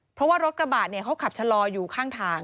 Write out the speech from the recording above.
เพราะว่ารถกระบะเขาขับชะลออยู่ข้างทาง